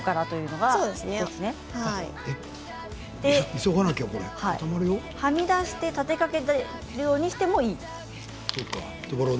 はみ出して立てかけるようにしてもいいんです。